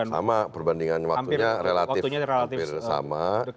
sama perbandingan waktunya relatif hampir sama